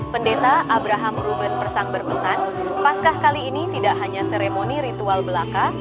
pendeta abraham ruben persang berpesan paskah kali ini tidak hanya seremoni ritual belaka